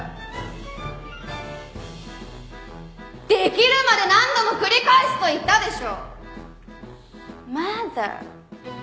できるまで何度も繰り返すと言ったでしょう？